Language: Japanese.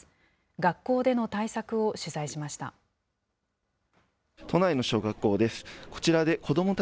学校での対策を取材しました。